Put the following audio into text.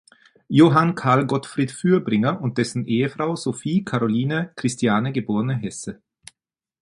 Johann Karl Gottfried Fürbringer und dessen Ehefrau Sophie Caroline Christiane geborene Hesse.